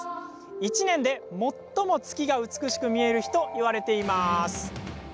１年で最も月が美しく見える日といわれています。